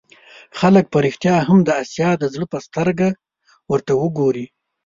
خلک په رښتیا هم د آسیا د زړه په سترګه ورته وګوري.